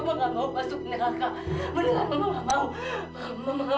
jangan biarkan mereka menganggur mama